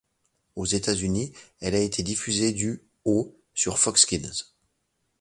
Aux États-Unis, elle a été diffusée du au sur Fox Kids.